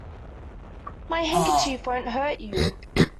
My handkerchief won't hurt you.